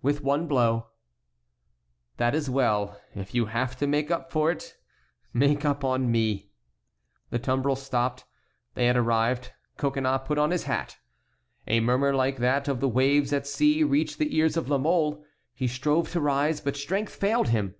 "With one blow." "That is well. If you have to make up for it, make up on me." The tumbril stopped. They had arrived. Coconnas put on his hat. A murmur like that of the waves at sea reached the ears of La Mole. He strove to rise, but strength failed him.